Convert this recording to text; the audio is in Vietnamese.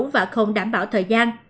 và không đảm bảo thời gian